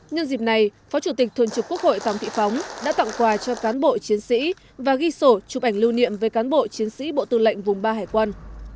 nhân dịp này phó chủ tịch thường trực quốc hội tòng thị phóng đã tặng quà cho cán bộ chiến sĩ và ghi sổ chụp ảnh lưu niệm về cán bộ chiến sĩ bộ tư lệnh vùng ba hải quân